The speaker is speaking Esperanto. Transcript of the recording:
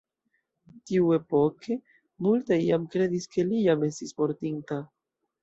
Tiuepoke, multaj jam kredis ke li jam estis mortinta.